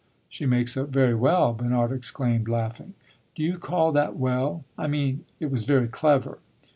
"She makes up very well!" Bernard exclaimed, laughing. "Do you call that well?" "I mean it was very clever."